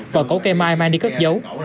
và cậu cây mai mang đi cất dấu